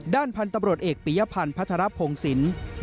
ด้านพันธ์ตำรวจเอกปียพันธ์พัฒระพงศ์ศิลป์